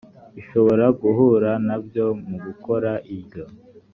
ishobora guhura na byo mu gukora iryo